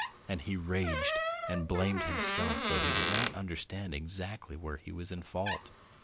... And he raged and blamed himself, though he did not understand exactly where he was in fault.